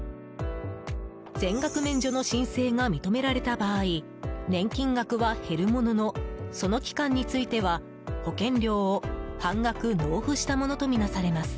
全額免除の申請が認められた場合年金額は減るもののその期間については保険料を半額納付したものとみなされます。